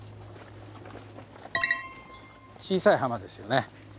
小さい浜ですよね。